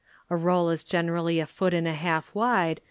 A roll is generally a foot and a half wide.